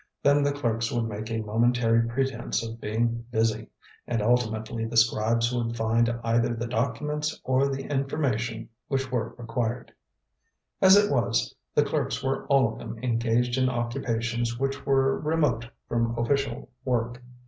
Then the clerks would make a momentary pretence of being busy, and ultimately the scribes would find either the documents or the information which were required. As it was, the clerks were all of them engaged in occupations which were remote from official work.